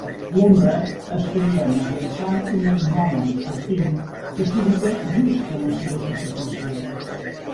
L'ombra es crea mitjançant un gnòmon sortint que s'ubica just en la seva superfície.